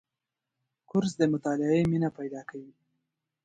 کورس د مطالعې مینه پیدا کوي.